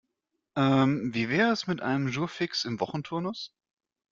Ähm, wie wäre es mit einem Jour fixe im Wochenturnus?